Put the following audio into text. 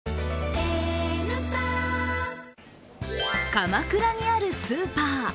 鎌倉にあるスーパー。